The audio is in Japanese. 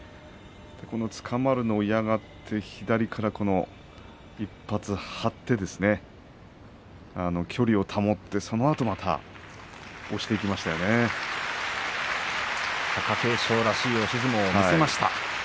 つかまるのを嫌がって左から１発張って距離を保って貴景勝らしい押し相撲を見せました。